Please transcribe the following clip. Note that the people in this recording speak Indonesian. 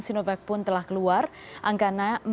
sinovac pun telah keluar angka